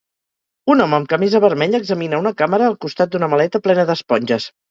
Un home amb camisa vermella examina una càmera al costat d'una maleta plena d'esponges.